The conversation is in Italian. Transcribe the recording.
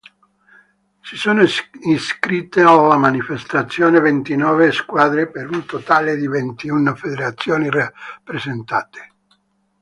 Si sono iscritte alla manifestazione ventinove squadre per un totale di ventuno federazioni rappresentate.